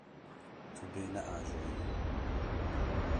Tu dê neajoyî.